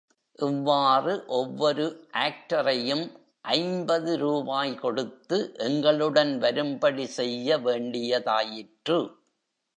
இவ்வாறு ஒவ்வொரு ஆக்டரையும் ஐம்பது ரூபாய் கொடுத்து எங்களுடன் வரும்படி செய்ய வேண்டியதாயிற்று.